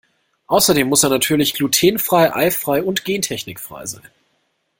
Außerdem muss er natürlich glutenfrei, eifrei und gentechnikfrei sein.